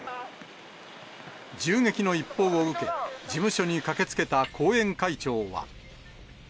銃撃の一報を受け、事務所に駆けつけた後援会長は。